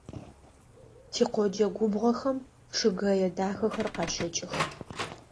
Тикъоджэ губгъохэм чъыгэе дахэхэр къащэкӏых.